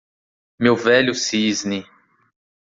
Meu velho cisne